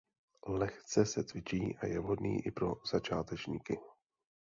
Lehce se cvičí a je vhodný i pro začátečníky.